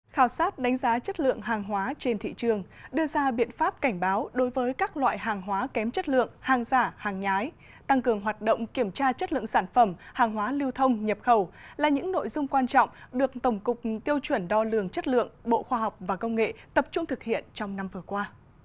khảo sát đánh giá chất lượng hàng hóa trên thị trường đưa ra biện pháp cảnh báo đối với các loại hàng hóa kém chất lượng hàng giả hàng nhái tăng cường hoạt động kiểm tra chất lượng sản phẩm hàng hóa lưu thông nhập khẩu là những nội dung quan trọng được tổng cục tiêu chuẩn đo lường chất lượng bộ khoa học và công nghệ tập trung thực hiện trong năm vừa qua